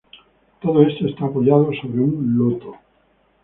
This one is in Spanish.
Todo esto está apoyado sobre un loto.